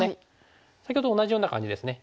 先ほどと同じような感じですね。